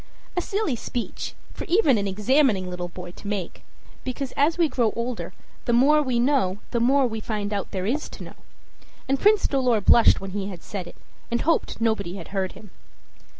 A silly speech for even an "examining" little boy to make; because, as we grow older, the more we know the more we find out there is to know. And Prince Dolor blushed when he had said it, and hoped nobody had heard him.